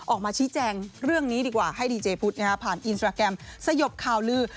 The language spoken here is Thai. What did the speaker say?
ออกมาชี้แจงเรื่องนี้ดีกว่าให้ดีเจพุทธผ่านอินสตราแกรมสยบข่าวลือ